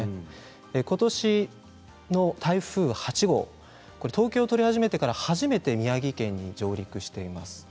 ことしの台風８号統計を取り始めてから初めて宮城県に上陸しています。